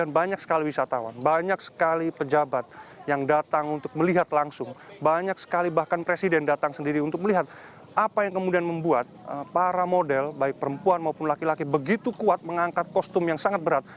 karena banyak sekali wisatawan banyak sekali pejabat yang datang untuk melihat langsung banyak sekali bahkan presiden datang sendiri untuk melihat apa yang kemudian membuat para model baik perempuan maupun laki laki begitu kuat mengangkat kostum yang sangat berat